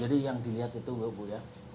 jadi yang dilihat itu bu ya